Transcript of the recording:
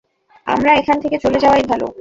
আমার এখান থেকে চলে যাওয়াই ভালো।